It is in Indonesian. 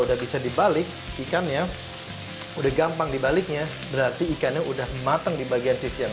udah bisa dibalik ikannya udah gampang dibaliknya berarti ikannya udah matang di bagian sisi yang